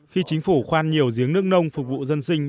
khi chính phủ khoan nhiều giếng nước nông phục vụ dân sinh